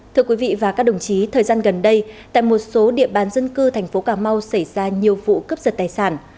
thưa quý vị và các đồng chí thời gian gần đây tại một số địa bàn dân cư thành phố cà mau xảy ra nhiều vụ cướp giật tài sản